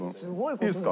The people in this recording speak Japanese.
いいですか？